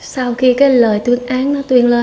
sau khi cái lời tuyên án nó tuyên lên